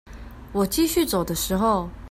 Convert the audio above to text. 我繼續走的時候